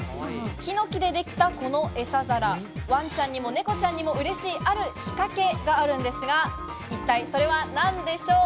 ヒノキでできたこのエサ皿、ワンちゃんにも猫ちゃんにもうれしいある仕掛けがあるんですが、一体それは何でしょうか？